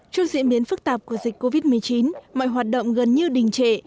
trong diễn biến phức tạp của dịch covid một mươi chín mọi hoạt động gần như đình trễ